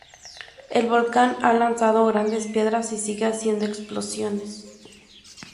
El volcán ha lanzado grandes piedras y sigue haciendo explosiones.